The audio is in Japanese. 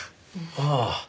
ああ。